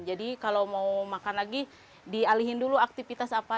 jadi kalau mau makan lagi dialihkan dulu aktivitas apa